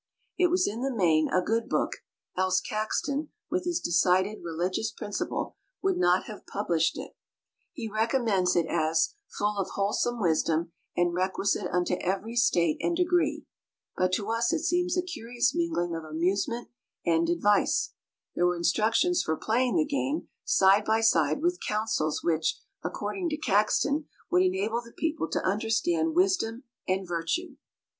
It was in the main a good book, else Caxton, with his decided religious principle, would not have published it; he recommends it as "full of wholesome wisdom, and requisite unto every state and degree." But to us it seems a curious mingling of amusement and advice. There were instructions for playing the game, side by side with counsels which, according to Caxton, would enable the people to understand wisdom and virtue.